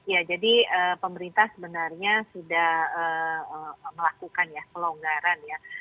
ya jadi pemerintah sebenarnya sudah melakukan pelonggaran